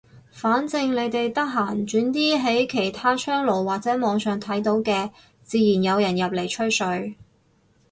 反正你哋得閒轉啲喺其他窗爐或者網上睇到嘅，自然有人入嚟吹水。